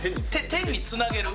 天につなげる？